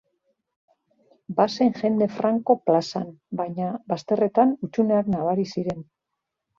Bazen jende franko plazan, baina bazterretan hutsuneak nabari ziren.